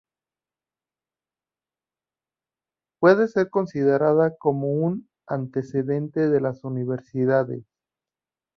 Puede ser considerada como un antecedente de las universidades.